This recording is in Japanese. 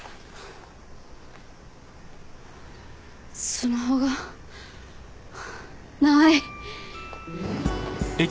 スマホがない。